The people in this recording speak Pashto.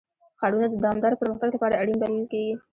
ښارونه د دوامداره پرمختګ لپاره اړین بلل کېږي.